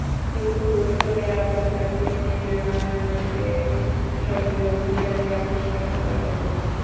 কিন্তু হুট করে আবার তাঁকে মেয়ারের সঙ্গে অভিসারে আবিষ্কার করা গেল।